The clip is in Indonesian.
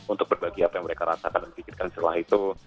untuk berbagi apa yang mereka rasakan dan pikirkan setelah itu